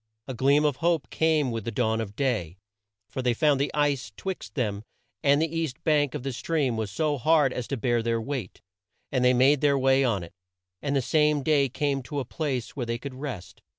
A gleam of hope came with the dawn of day, for they found the ice 'twixt them and the east bank of the stream was so hard as to bear their weight, and they made their way on it, and the same day came to a place where they could rest.